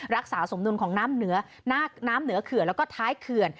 รักษาสมดุลของน้ำเหนือเขื่อนแล้วก็ท้ายเขื่อน